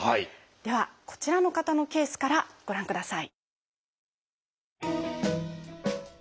ではこちらの方のケースからご覧ください。